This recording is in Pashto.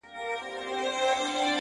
په دې حالاتو کي خو دا کيږي هغه ؛نه کيږي؛